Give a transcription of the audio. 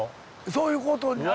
そういうことになる。